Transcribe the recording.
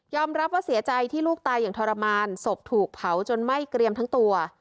รับว่าเสียใจที่ลูกตายอย่างทรมานศพถูกเผาจนไหม้เกรียมทั้งตัว